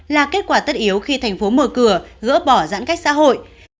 là kết quả tất yếu khi thành phố mở cửa gỡ bỏ giãn cách xã hội